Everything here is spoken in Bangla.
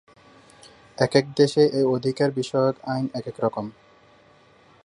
একেক দেশে এই অধিকার বিষয়ক আইন একেক রকম।